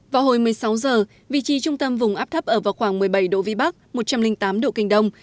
vào hồi một mươi sáu giờ vị trí trung tâm vùng áp thấp ở vào khoảng một mươi bảy độ vĩ bắc một trăm linh tám độ kinh đông